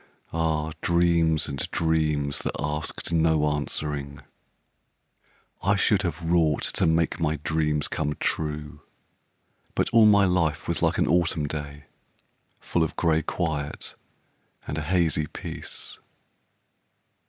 Ah, dreams and dreams that asked no answering! I should have wrought to make my dreams come true, But all my life was like an autumn day, Full of gray quiet and a hazy peace.